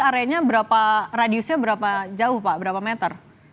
areanya berapa radiusnya berapa jauh pak berapa meter